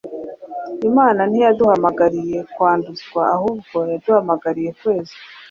Imana ntiyaduhamagariye kwanduzwa, ahubwo yaduhamagariye kwezwa